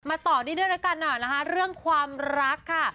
มาต่อด้วยเรื่องความรักค่ะ